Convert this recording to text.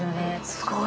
すごい。